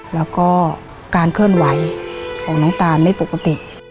แล้วก็การเคลื่อนไหวของน้องตานไม่ปกติ